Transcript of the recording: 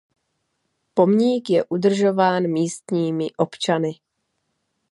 Pomník je udržován místními občany.